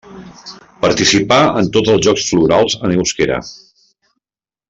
Participà en tots els jocs florals en euskera.